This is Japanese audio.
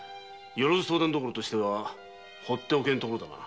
「よろづ相談処」としてはほっておけんところだな。